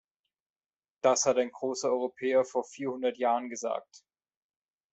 Das hat ein großer Europäer vor vierhundert Jahren gesagt.